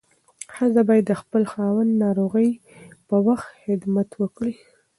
ښځه باید د خپل خاوند ناروغۍ په وخت کې خدمت وکړي.